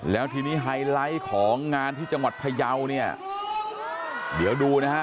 แล้วทีนี้ไฮไลท์ของงานที่จังหวัดพยาวเนี่ยเดี๋ยวดูนะฮะ